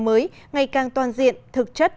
mới ngày càng toàn diện thực chất